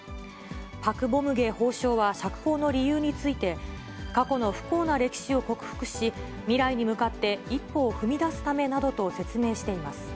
パク・ボムゲ法相は釈放の理由について、過去の不幸な歴史を克服し、未来に向かって一歩を踏み出すためなどと説明しています。